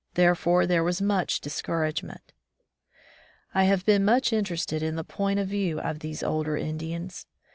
Therefore there was much discouragement. I have been much interested in the point of view of these older Indians.